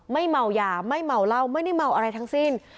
เมายาไม่เมาเหล้าไม่ได้เมาอะไรทั้งสิ้น